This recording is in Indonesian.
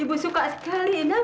ibu suka sekali inam